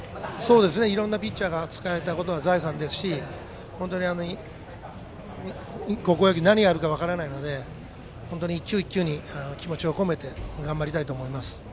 いろいろなピッチャーが使えたことは財産ですし本当に高校野球は何があるか分からないので本当に１球１球に心を込めていきたいと思います。